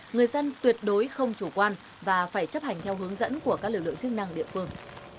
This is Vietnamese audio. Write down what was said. người dân tuyệt đối không chủ quan và phải chấp hành theo hướng dẫn của các lực lượng chức năng địa phương